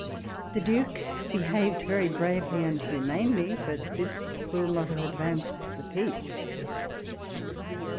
The Duke behaved very bravely and humanely ; but this will not have advanced the peace.